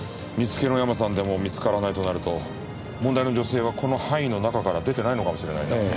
見つけのヤマさんでも見つからないとなると問題の女性はこの範囲の中から出てないのかもしれないな。